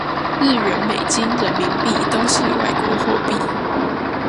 日圓美金人民幣都是外國貨幣